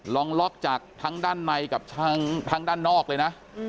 ลองล็อกจากทั้งด้านในกับทางด้านนอกเลยนะ